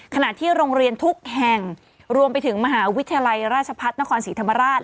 ขณะที่โรงเรียนทุกแห่งรวมไปถึงมหาวิทยาลัยราชพัฒนครศรีธรรมราช